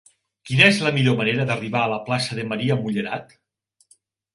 Quina és la millor manera d'arribar a la plaça de Maria Mullerat?